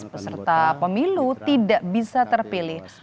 peserta pemilu tidak bisa terpilih